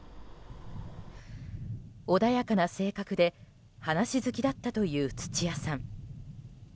穏やかな性格で話し好きだったという土屋さん。